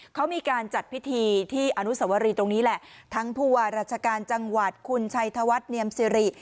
เขามีการจัดพิธีที่อนุสวรีตรงนี้แหละทั้งผู้ว่าราชการจังหวัดคุณชัยธวัฒน์เนียมสิริ